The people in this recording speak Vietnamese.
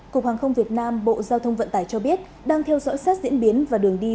cục hàng không việt nam bộ giao thông vận tải cho biết đang theo dõi sát diễn biến và đường đi